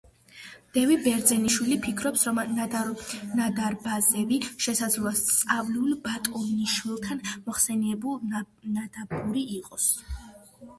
დევი ბერძენიშვილი ფიქრობს, რომ ნადარბაზევი შესაძლოა სწავლულ ბატონიშვილთან მოხსენიებული ნადაბური იყოს.